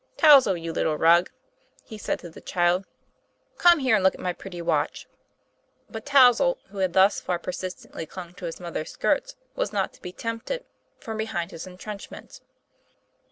Touzle, you little rogue," he said to the child, "come here and look at my pretty watch." But Touzle, who had thus far persistently clung to his mother's skirts, was not to be tempted from 222 TOM PLA YFA1R. behind his intrenchments.